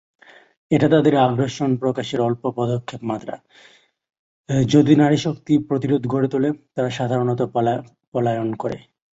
এটা তাদের আগ্রাসন প্রকাশের অল্প পদক্ষেপ মাত্র, যদি নারী শক্ত প্রতিরোধ গড়ে তুলে, তারা সাধারণত পলায়ন করে।